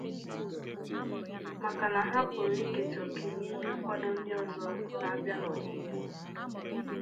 maka na ha pụrụ ikètà okè n'ihe nkwàdo ndị ọzọ na-abịa n'ọdịnihu.